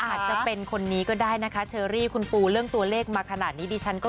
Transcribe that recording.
อาจจะเป็นคนนี้ก็ได้นะคะเชอรี่คุณปูเรื่องตัวเลขมาขนาดนี้ดิฉันก็